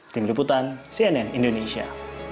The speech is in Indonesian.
tim liputan cnn indonesia